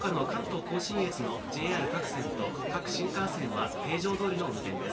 そのほかの関東甲信越のＪＲ各線と、各新幹線は平常どおりの運転です。